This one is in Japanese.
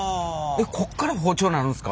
えっこっから包丁になるんですか？